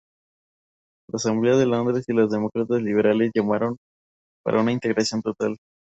La Asamblea de Londres y los Demócratas liberales llamaron para una integración total.